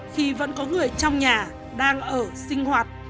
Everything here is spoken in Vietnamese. khi vẫn có người trong nhà đang ở sinh hoạt